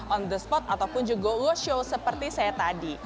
on the spot ataupun juga workshow seperti saya tadi